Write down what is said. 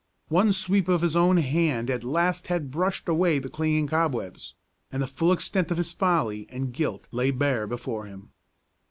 One sweep of his own hand at last had brushed away the clinging cobwebs, and the full extent of his folly and guilt lay bare before him.